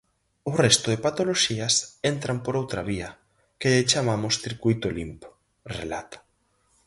O resto de patoloxías entran por outra vía, que lle chamamos circuíto limpo, relata.